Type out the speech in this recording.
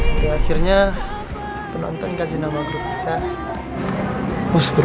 sampai akhirnya penonton kasih nama grup kita musbro